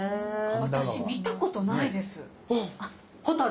私見たことないです！